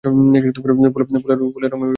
ফুলের রঙ লাল বা বেগুনি হয়ে থাকে।